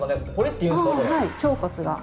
はい頬骨が。